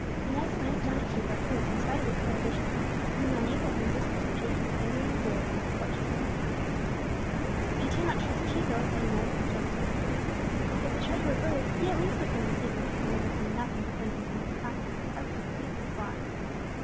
Inez glanced down at Chico, who, in spite of her prohibition, seemed unable to resist the temptation of fingering the gold with his coarse, dirty hands. "I dare not trust Chico," thought Inez, in sore perplexity; "if the treasure were buried, he at least would know the secret, and there would be nothing to hinder him from abstracting whatever he pleased from the box.